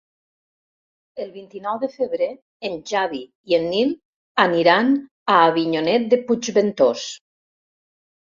El vint-i-nou de febrer en Xavi i en Nil aniran a Avinyonet de Puigventós.